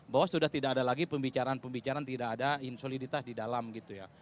bahwa sudah tidak ada lagi pembicaraan pembicaraan tidak ada insoliditas di dalam gitu ya